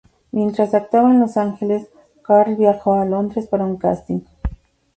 Mientras actuaba en Los Angeles, Carl viajó a Londres para un casting.